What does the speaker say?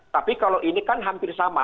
tapi kalau ini kan hampir sama